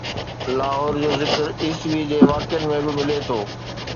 لاهور جو ذڪر عيسوي جي واقعن ۾ به ملي ٿو